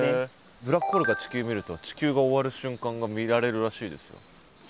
ブラックホールから地球見ると地球が終わる瞬間が見られるらしいですよ。